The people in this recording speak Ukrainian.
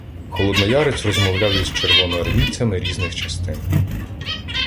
Холодноярець розмовляв із червоноармійцями різних частин.